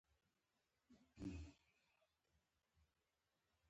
افغانستان په نړۍ کې د خپلې خاورې له امله شهرت لري.